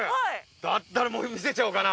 だったらもう見せちゃおうかな